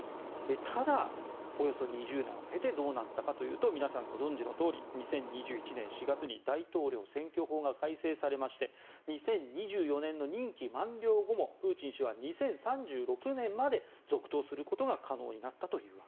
ただ、およそ２０年を経てどうなったかというと皆さんご存じのとおり２０２１年４月に大統領選挙法が改正されまして２０２４年の任期満了後もプーチン氏は２０３６年まで続投することが可能になったと。